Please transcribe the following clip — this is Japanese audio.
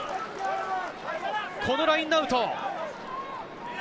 このラインアウト。